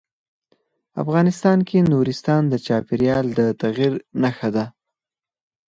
افغانستان کې نورستان د چاپېریال د تغیر نښه ده.